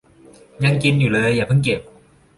ยังกินอยู่เลย อย่าเพิ่งเก็บ